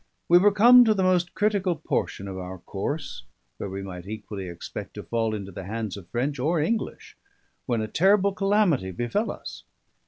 We were come to the most critical portion of our course, where we might equally expect to fall into the hands of French or English, when a terrible calamity befell us.